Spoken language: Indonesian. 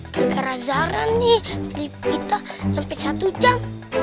gara gara zara nih beli pita sampai satu jam